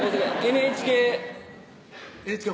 ＮＨＫＮＨＫ